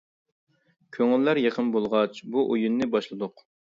كۆڭۈللەر يېقىن بولغاچ، بۇ ئويۇننى باشلىدۇق.